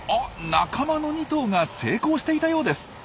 仲間の２頭が成功していたようです。